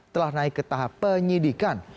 telah naik ke tahap penyidikan